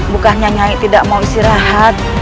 bukannya nyanyi tidak mau istirahat